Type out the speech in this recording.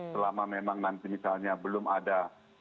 selama memang nanti misalnya belum ada